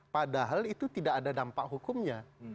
padahal itu tidak ada dampak hukumnya